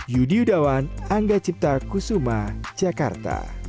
yudi yudawan angga cipta kusuma jakarta